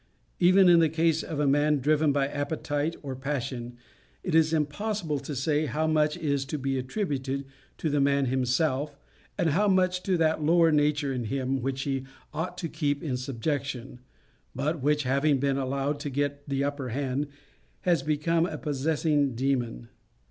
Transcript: Even in the case of a man driven by appetite or passion, it is impossible to say how much is to be attributed to the man himself, and how much to that lower nature in him which he ought to keep in subjection, but which, having been allowed to get the upper hand, has become a possessing demon.